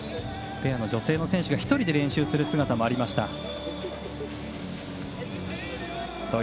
ペアの女性の選手が１人で練習する姿もありました。